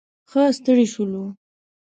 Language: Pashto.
ښه ستړي شولو.